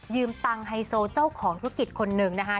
ตังค์ไฮโซเจ้าของธุรกิจคนหนึ่งนะคะ